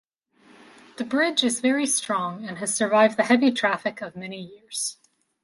The bridge is very strong and has survived the heavy traffic of many years.